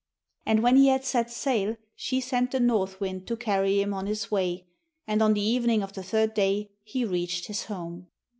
And when he had set sail she sent the north wind to carry him on his way, and on the evening of the third day he reached his home.